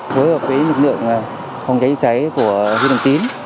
với hợp với lực lượng phòng cháy chữa cháy của huyện đồng tín